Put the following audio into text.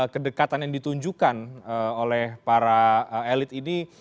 kedekatan yang ditunjukkan oleh para elit ini